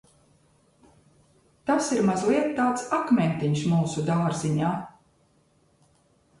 "Tas ir mazliet tāds "akmentiņš mūsu dārziņā"."